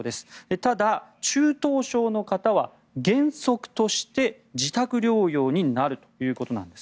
ただ、中等症の方は原則として自宅療養になるということなんです。